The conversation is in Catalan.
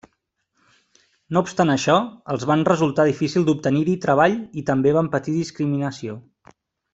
No obstant això, els van resultar difícil d'obtenir-hi treball i també van patir discriminació.